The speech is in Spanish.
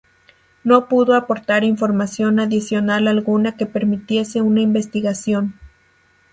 No pudo aportar información adicional alguna que permitiese una investigación.